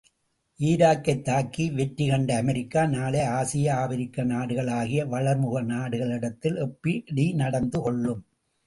ஈராக்கைத் தாக்கி வெற்றி கண்ட அமெரிக்கா, நாளை ஆசிய ஆப்பிரிக்க நாடுகளாகிய வளர்முக நாடுகளிடத்தில் எப்படி நடந்து கொள்ளும்?